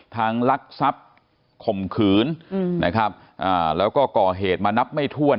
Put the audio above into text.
ทางลักษณ์ทรัพย์ข่มขืนอืมนะครับอ่าแล้วก็ก่อเหตุมานับไม่ทวน